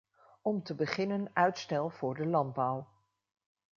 Om te beginnen uitstel voor de landbouw.